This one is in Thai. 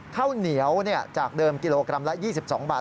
ข้าวเหนียวจากเดิมกิโลกรัมละ๒๒บาท